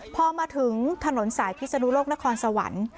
พอมาถึงถนนสายพิศนุโลกนครสวรรค์